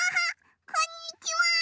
こんにちは。